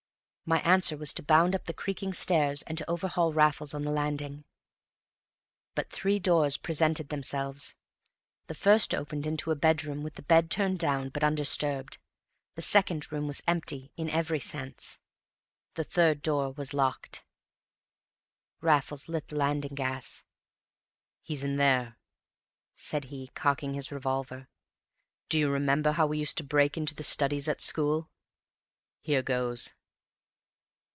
My answer was to bound up the creaking stairs and to overhaul Raffles on the landing. But three doors presented themselves; the first opened into a bedroom with the bed turned down but undisturbed; the second room was empty in every sense; the third door was locked. Raffles lit the landing gas. "He's in there," said he, cocking his revolver. "Do you remember how we used to break into the studies at school? Here goes!"